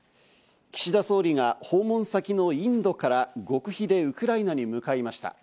岸田総理が訪問先のインドから極秘でウクライナに向かいました。